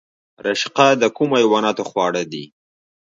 رشقه د کومو حیواناتو خواړه دي؟